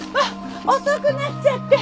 遅くなっちゃって。